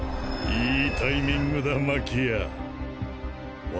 いいタイミングだマキア。